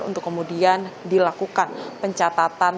untuk kemudian dilakukan pencatatan